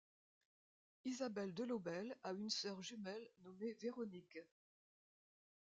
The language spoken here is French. Isabelle Delobel a une sœur jumelle nommée Véronique.